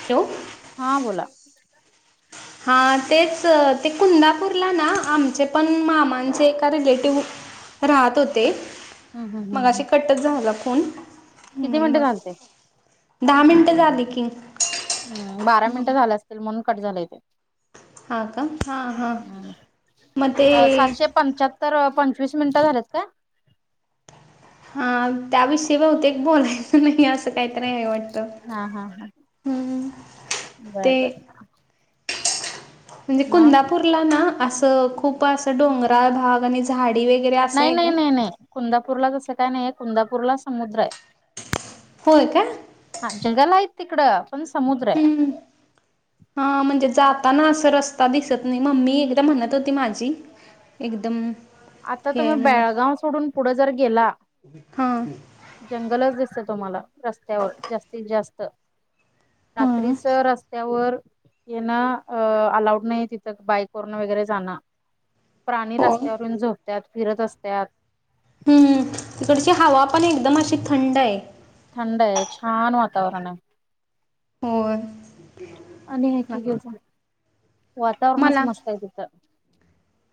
Hello हा बोला, हा तेच ते कुंदापूरला ना, आमचे पण मामांचे का रिलेटिव्ह राहत होते, हम्म हम्म मग अे हम्म कटच झाला फोन, किती म्हणून मिनिटं मग झालते, दहा मिनटं झाली की, हम बारा मिनिटं मग झालं, असतील म्हणून कट झालंय तेे, हां का हां हां [unintelligible] मग ते अ सातशे पंच्यातर, तर पंचवीस मिनिटं झाल्यात काय? हा त्याविषयी बहुते एक बोलायच नाही, असं काहीत नाही आहे वाटत? [unintelligible] बर बर, म्हणजे मग कुंदापूरला ना, असं खूप असं डोंगरा भाग आणि झाड नाही नाही नाही नाही, कुंदापूरला तसं काय नाही आहे कुंदापूरला समुद्र आहे. होय काय? जगलं आहेत तिकडं. पण समुद्र आहे हम्म हा म्हणजे जाताना अस, रस्ता दिसत नाही, मम्मी एकदा म्हणत होती माझी एकदम आता हे आहे तुम्ही म्हणून बेळगाव सोडून पुढे जर गेला, हा जंगलच दिस च तुम्हाला रस्त्यावर जास्तीत जास्त हा रात्रीच रस्त्यावर येन अ अलाऊड नाही तिथं बाईक वरून वगैरे जाणं. प्राणी हो रस्त्यांवर त्यात फिरत असत्यात. हम्म हम्म तिकडची हवा पण एकदम अशी थंडय. थंडय आहे छान वातावरण आहे. होय. आणि हे की [unintelligible] वातावरणच मला मस्त आहे तिथं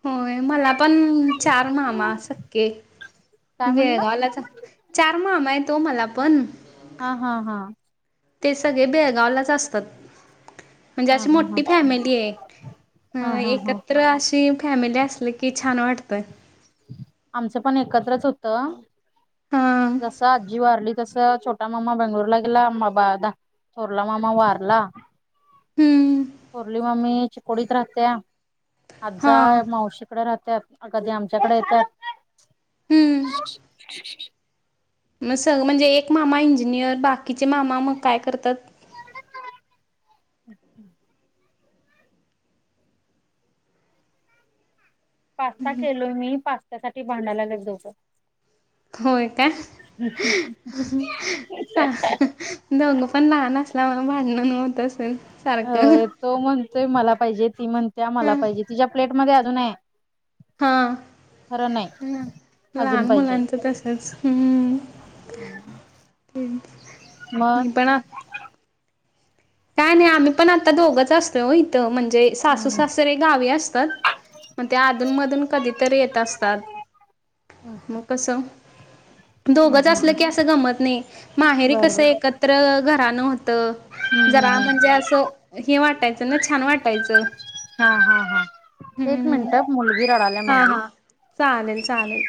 होय मला पण चार मामा सक्के. काय म्हणलं बेळगावला चा चार मामा यत ओ मला पणं. हा हा हा ते सगळे बेळगावलाच असतात म्हंजे हा अशी हा हा मोठ्ठी फॅमिलीय. अ हा हा हा एकत्र अशी फॅमिली असली की छान वाटतंय! आमचं पण एकत्रच होत हा जस आजी वारली जस छोटा मामा बेंगलुरला गेला, मा बा थोरला मामा वारला. हम्म थोरली मम्मी चिकोडीत राहत्या. हा आज्जा मावशीकडे राहत्यात अ कधी आमच्या च्याकडे येत्यात. हम्म मग स म्हणजे एक मामा इंजिनिअर म बाकीचे मामा मग काय करतात? अच्छा. पास्ता केलोय मी पास्त्यासाठी भांडा या लागलीत दोघ. होय का? दोंघ पण लहानच [unintelligible] भांडणं नव्हतंच. होय तो म्हणतोय मला पाहिजे ती म्हणत्या मला ह पाहिजे, तिच्या प्लेट मध्ये अजून हाय. हां. ह अजून लहान पाहिजे मुलांचं तसंच हम्म. मी मग पणा काय नाय आम्ही पण आता दोघंच असतोय इथं म्हण ते सासू हम्म सासरे गावी असतात मगं, ते आधून मधून कधीतरी येत असतात. हम्म मग कस दोघंच असल की हम्म असं गमत नाही. माहेरी कस बरोबर एकत्र घरानं होत, हम्म हम्म जरा म्हंजे हम्म असं हे वाटायचं ना छान वाटायचं. हा हा हा हम्म. एक हम्म. मिनिटं मुलगी रडाला हा माझी. हा. चालेल चालेल.